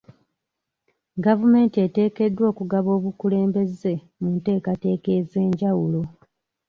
Gavumenti eteekeddwa okugaba obukulembeze mu nteekateeka ez'enjawulo.